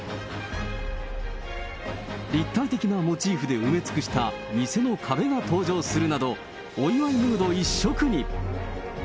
立体的なモチーフで埋め尽くした店の壁が登場するなど、お祝いムード一色に。